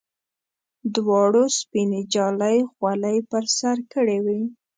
دواړو سپینې جالۍ خولۍ پر سر کړې وې.